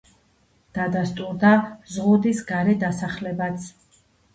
დადასტურდა ზღუდის გარე დასახლებაც.